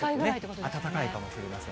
暖かいかもしれません。